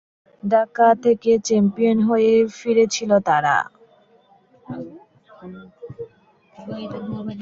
ঢাকা থেকে চ্যাম্পিয়ন হয়েই ফিরেছিল তাঁরা।